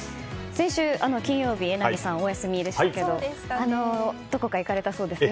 先週金曜日榎並さん、お休みでしたけどどこか行かれたそうですね。